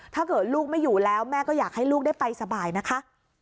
ถ้าเกิดลูกไม่อยู่แล้วแม่ก็อยากให้ลูกได้ไปสบายนะคะ